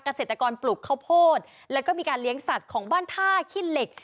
เกษตรกรปลูกข้าวโพดแล้วก็มีการเลี้ยงสัตว์ของบ้านท่าขี้เหล็ก